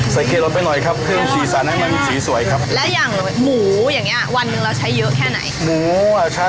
ใส่เคล็ดละไปหน่อยครับเพิ่มสีสันให้มันสีสวยแล้วยังหมูอย่างนี้อ่ะ